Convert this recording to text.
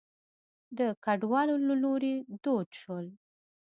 د کډوالو له لوري دود شول.